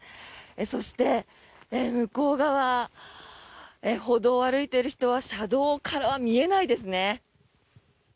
そして、向こう側歩道を歩いている人は車道からは見えないですね。